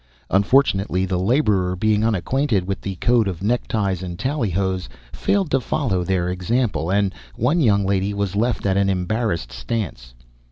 Unfortunately, the laborer, being unacquainted with the code of neckties and tallyhos, failed to follow their example, and one young lady was left at an embarrassed stance.